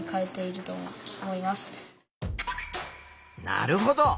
なるほど。